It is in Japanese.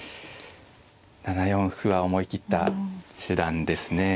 ７四歩は思い切った手段ですね。